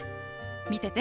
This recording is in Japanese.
見てて。